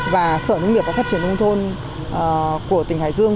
và sở nông nghiệp và phát triển nông thôn của tỉnh hải dương